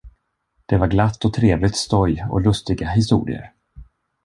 Det var glatt och trevligt stoj och lustiga historier.